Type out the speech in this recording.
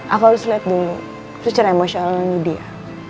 aku harus liat dulu secara emosional dengan dia